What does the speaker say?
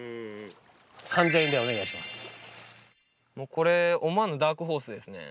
これ思わぬダークホースですね。